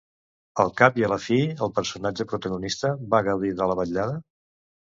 Al cap i a la fi, el personatge protagonista va gaudir de la vetllada?